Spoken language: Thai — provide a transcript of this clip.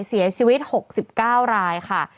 เสียชีวิต๖๙รายค่ะ